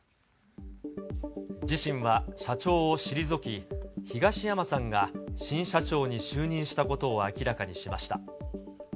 自身は社長を退き、東山さんが新社長に就任したことを明らかにしました。